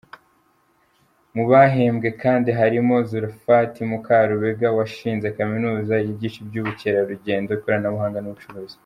Mu bahembwe kandi harimo Zulfat Mukarubega washinze Kaminuza yigisha iby’ubukerarugendo, ikoranabuhanga n’ubucuruzi.